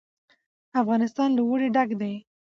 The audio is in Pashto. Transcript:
افغانستان له اوړي ډک دی.